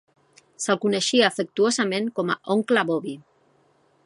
Se'l coneixia afectuosament com a oncle Bobby.